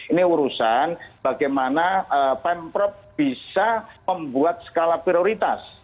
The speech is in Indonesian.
ini urusan bagaimana pemprov bisa membuat skala prioritas